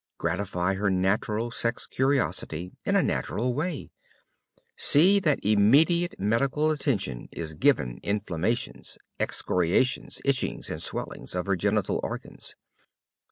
Gratify her natural sex curiosity in a natural way. See that immediate medical attention is given inflammations, excoriations, itchings and swellings of her genital organs.